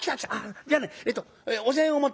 じゃあねえっとお膳を持って次の間へ。